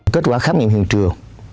kết quả khám nghiệm hình trường